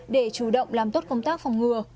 để chủ động làm tốt công tác phòng ngừa